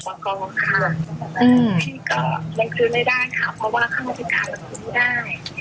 อื้อที่ก็ตั้งคือไม่ได้ค่ะเพราะว่าเขาก็คือได้